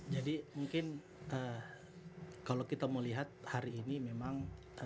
jadi mungkin kalau kita mau lihat hari ini memang